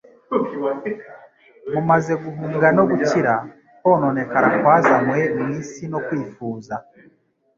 mumaze guhunga no gukira kononekara kwazanywe mu isi no kwifuza